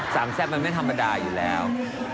สั้นแซปมันไม่ธรรมดาอยู่แล้ว